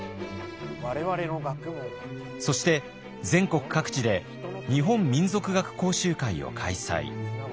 そして全国各地で日本民俗学講習会を開催。